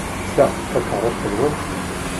Ta d takeṛṛust-nwen?